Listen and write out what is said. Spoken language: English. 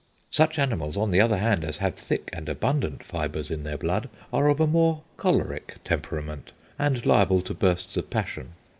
Such animals, on the other hand, as have thick and abundant fibres in their blood are of a more choleric temperament, and liable to bursts of passion....